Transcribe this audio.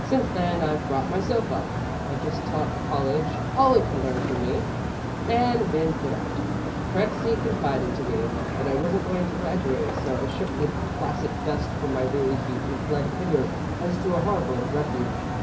Since then I've brought myself up. I've just taught a college all it can learn from me, and been put out. Prexy confided to me that I wasn't going to graduate, so I shook the classic dust from my weary feet and fled hither as to a harbour of refuge.